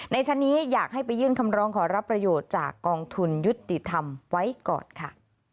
ชั้นนี้อยากให้ไปยื่นคำร้องขอรับประโยชน์จากกองทุนยุติธรรมไว้ก่อนค่ะ